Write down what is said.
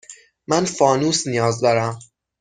من فانوس نیاز دارم.